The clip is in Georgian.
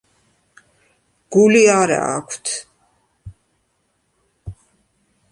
გული არა აქვთ.